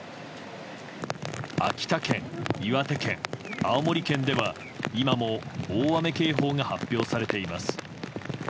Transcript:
秋田県、岩手県、青森県では今も大雨警報が発表されています。